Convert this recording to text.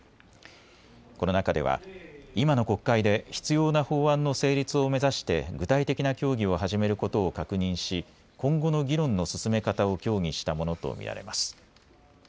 この中では今の国会で必要な法案の成立を目指して具体的な協議を始めることを確認し今後の議論の進め方を協議したものと見られます。